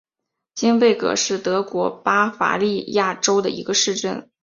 金贝格是德国巴伐利亚州的一个市镇。